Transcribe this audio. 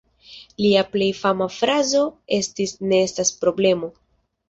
Lia plej fama frazo estis "Ne estas problemo".